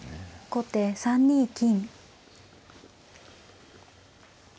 後手３二金。